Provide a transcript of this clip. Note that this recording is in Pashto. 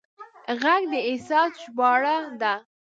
غږ د احساس ژباړه ده